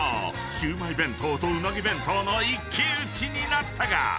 シウマイ弁当とうなぎ弁当の一騎打ちになったが］